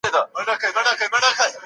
ذهن د مجرداتو لوري ته ميلان درلود.